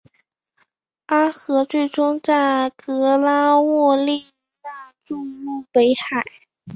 阿河最终在格拉沃利讷注入北海。